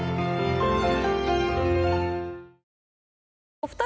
お二人